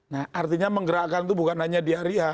nah artinya menggerakkan itu bukan hanya di hari ya